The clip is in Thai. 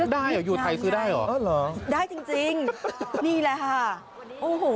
ได้อยู่ไทยซื้อได้เหรอได้จริงนี่แหละค่ะโอ้โฮ